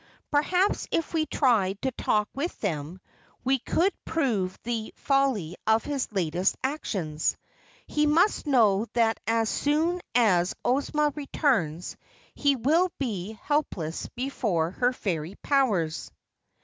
Perhaps if we tried to talk with him, we could prove the folly of his latest actions. He must know that as soon as Ozma returns he will be helpless before her fairy powers."